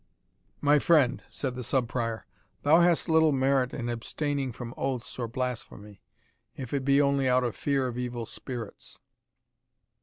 "My friend," said the Sub Prior, "thou hast little merit in abstaining from oaths or blasphemy, if it be only out of fear of evil spirits."